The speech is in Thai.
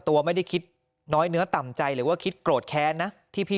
ตัวไม่ได้คิดน้อยเนื้อต่ำใจหรือว่าคิดโกรธแค้นนะที่พี่